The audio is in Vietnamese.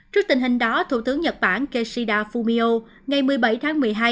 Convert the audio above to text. trước tình hình đó thủ tướng nhật bản kishida fumio ngày một mươi bảy tháng một mươi hai